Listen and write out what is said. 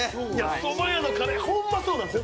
そば屋のカレー、ほんまそうなんですよ。